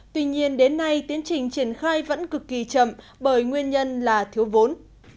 tuy nhiên đến nay tiến trình triển khai vẫn cực kỳ chậm bởi nguyên nhân là thiếu vốn